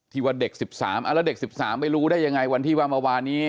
ว่าเด็ก๑๓แล้วเด็ก๑๓ไม่รู้ได้ยังไงวันที่ว่าเมื่อวานนี้